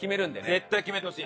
絶対決めてほしい。